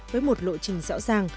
với một lộ trình rõ ràng